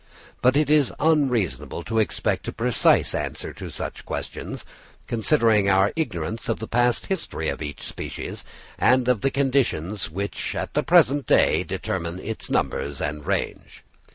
But it is unreasonable to expect a precise answer to such questions, considering our ignorance of the past history of each species, and of the conditions which at the present day determine its numbers and range.